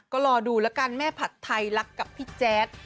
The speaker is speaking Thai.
ก็รอดูแล้วกันแม่ผัดไทยรักกับพี่แจ๊ด